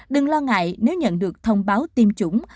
đừng lo ngại nếu nhận được thông báo tiêm chủng